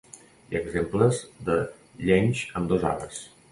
Hi ha exemples de llenys amb dos arbres.